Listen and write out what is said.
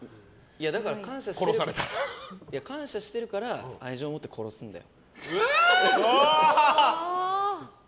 だから感謝してるから愛情を持って殺すんだよ。